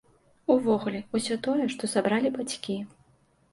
Увогуле, усё тое, што сабралі бацькі.